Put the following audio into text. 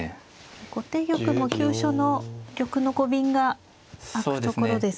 後手玉も急所の玉のコビンがあくところですか。